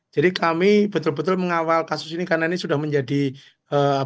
jadi kami betul betul mengawal kasus ini karena ini sudah menyebabkan